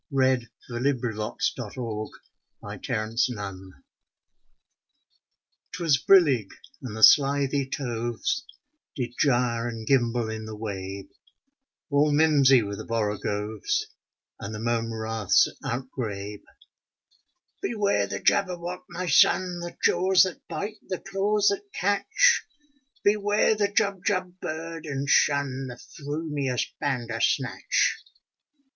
Edward Lear, JABBERWOCKY 'TwAS brillig, and the slithy toves Did gyre and gimble in the wabe; All mi rosy were the borogoves, And the mome raths outgrabe. ''Beware the Jabberwock, my son! The jaws that bite, the claws that catch! Beware the Jubjub bird, and shun The f rumious Bandersnatch